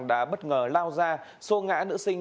đã bất ngờ lao ra xô ngã nữ sinh